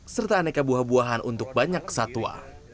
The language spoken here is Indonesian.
serta aneka buah buahan untuk banyak satwa